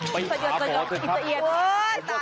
ไปหาพ่อเถอะครับ